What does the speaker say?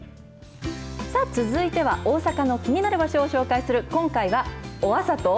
さあ、続いては、大阪の気になる場所を紹介する今回は、オアサと。